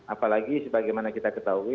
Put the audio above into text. apalagi sebagaimana kita ketahui